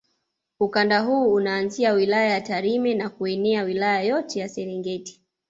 Ukanda huu unaanzia wilaya ya Tarime na kuenea Wilaya yote ya Serengeti